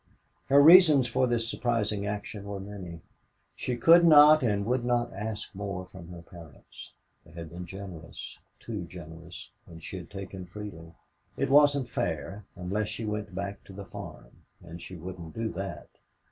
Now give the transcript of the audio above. Her reasons for this surprising action were many. She could not and would not ask more from her parents. They had been generous, too generous, and she'd taken freely. It wasn't fair, unless she went back to the farm and she wouldn't do that.